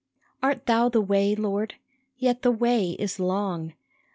Art Thou the way, Lord ? Yet the way is long